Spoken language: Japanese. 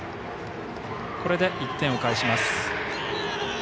これで１点を返します。